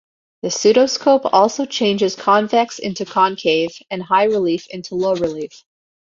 The pseudoscope also changes convex into concave, and high-relief into low-relief.